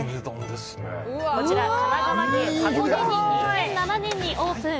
こちら、神奈川県箱根に２００７年にオープン。